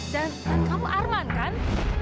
dan kamu arman kan